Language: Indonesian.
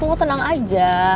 lo tenang aja